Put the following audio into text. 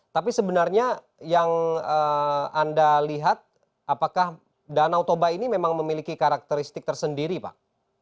tapi sebenarnya yang anda lihat apakah danau toba ini memang memiliki karakteristik tersendiri pak